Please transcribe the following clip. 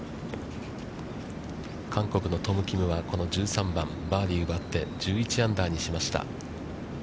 韓国のトム・キムは、この１３番、バーディーを奪って１１アンダーにしました。